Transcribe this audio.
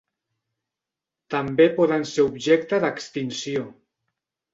També poden ser objecte d'extinció.